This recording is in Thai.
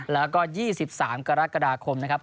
แล้วก็๒๓กรกฎาคมนะครับ